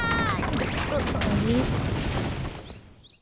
あれ？